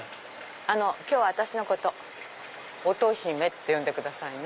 今日私のこと乙姫って呼んでくださいね。